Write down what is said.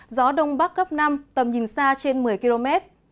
gió đông bắc cấp năm tầm nhìn xa trên một mươi km